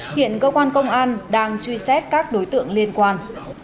hiện cơ quan công an đang truy xét các đối tượng liên quan